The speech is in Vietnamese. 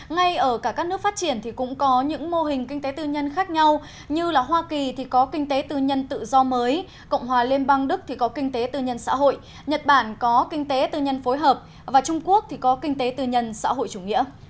ngay ở cả các nước phát triển thì cũng có những mô hình kinh tế tư nhân khác nhau như hoa kỳ thì có kinh tế tư nhân tự do mới cộng hòa liên bang đức có kinh tế tư nhân xã hội nhật bản có kinh tế tư nhân phối hợp và trung quốc có kinh tế tư nhân xã hội chủ nghĩa